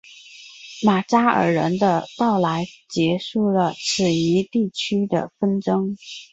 马扎尔人的到来结束了此一地区的纷争。